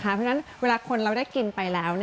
เพราะฉะนั้นเวลาคนเราได้กินไปแล้ว